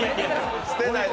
捨てないで。